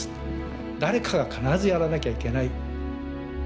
誰かが必ずやらなきゃいけない。